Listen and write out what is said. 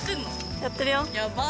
やってるよ